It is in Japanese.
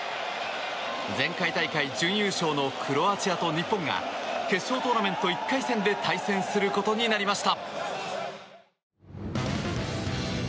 前回大会準優勝のクロアチアと日本が決勝トーナメント１回戦で対戦することになりました。